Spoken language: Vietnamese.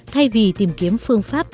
thay vì tìm kiếm phương pháp